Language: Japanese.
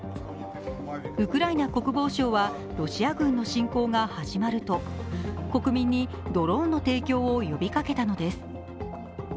ウクライナ国防省はロシア軍の侵攻が始まると国民にドローンの提供を呼びかけたのです。